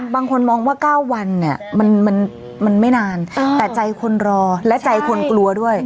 บางคนมองว่า๙วันเนี่ยมันไม่นานแต่ใจคนรอและใจคนกลัวด้วย